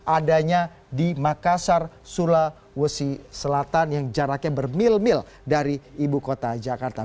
adanya di makassar sulawesi selatan yang jaraknya bermil mil dari ibu kota jakarta